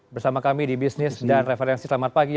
bersama kami di bisnis dan referensi selamat pagi